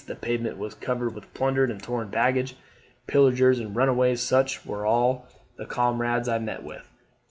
The pavement was covered with plundered and torn baggage. Pillagers and runaways, such were all the comrades I met with.